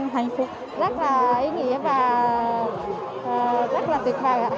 hạnh phúc rất là ý nghĩa và rất là tuyệt vời